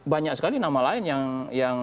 banyak sekali nama lain yang